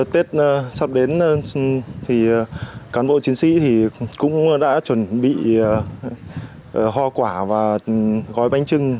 tết sắp đến cán bộ chiến sĩ cũng đã chuẩn bị ho quả và gói bánh trưng